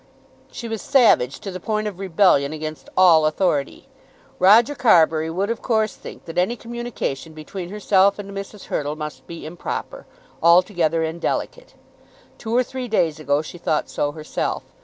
She was savage to the point of rebellion against all authority. Roger Carbury would of course think that any communication between herself and Mrs. Hurtle must be most improper, altogether indelicate. Two or three days ago she thought so herself.